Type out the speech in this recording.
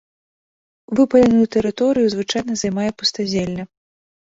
Выпаленую тэрыторыю звычайна займае пустазелле.